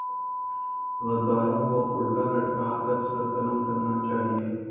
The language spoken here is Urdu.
غداروں کو الٹا لٹکا کر سر قلم کرنا چاہیۓ